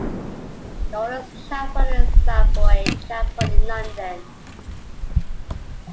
The order's chapel is the Savoy Chapel in London.